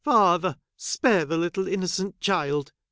father ! spare the little innocent child